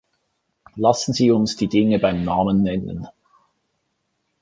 Lassen Sie uns die Dinge beim Namen nennen.